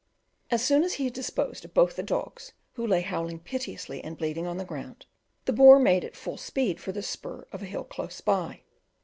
As soon as he had disposed of both the dogs, who lay howling piteously and bleeding on the ground, the boar made at full speed for the spur of a hill close by.